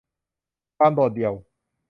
ความโดดเดี่ยว